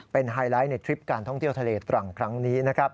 เป็นไฮไลท์ในทริปการท่องเที่ยวทะเลตรังครั้งนี้นะครับ